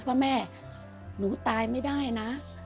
ว่าแม่หนูตายไม่ได้นะ